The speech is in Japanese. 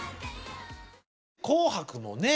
「紅白」もね